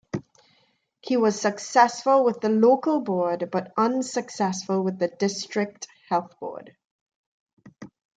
He was successful with the local board, but unsuccessful with the District Health Board.